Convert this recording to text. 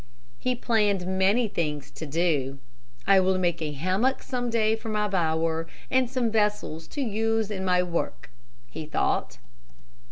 He planned many things to do. "I will make a hammock some day for my bower and some vessels to use in my work," he thought.